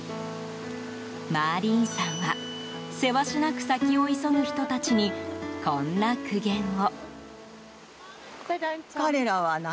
マーリーンさんはせわしなく先を急ぐ人たちにこんな苦言を。